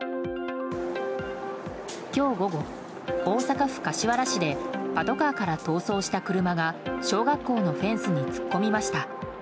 今日午後、大阪府柏原市でパトカーから逃走した車が小学校のフェンスに突っ込みました。